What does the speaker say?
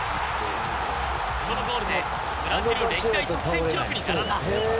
このゴールでブラジル歴代得点記録に並んだ。